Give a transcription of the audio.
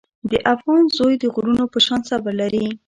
د افغان زوی د غرونو په شان صبر لري.